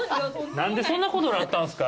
何でそんなことになったんすか？